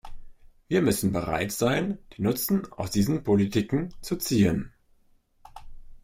Wir müssen bereit sein, den Nutzen aus diesen Politiken zu ziehen.